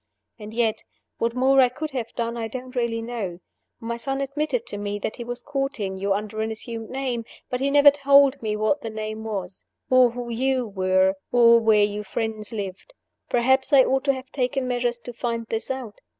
And yet, what more I could have done I don't really know. My son admitted to me that he was courting you under an assumed name, but he never told me what the name was. Or who you were, or where your friends lived. Perhaps I ought to have taken measures to find this out.